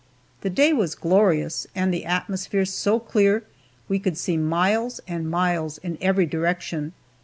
The day was glorious, and the atmosphere so clear, we could see miles and miles in every direction.